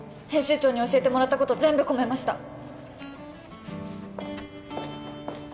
編集長に教えてもらったこと全部込めました